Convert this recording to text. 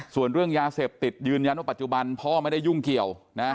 ส่วนเรื่องยาเสพติดยืนยันว่าปัจจุบันพ่อไม่ได้ยุ่งเกี่ยวนะ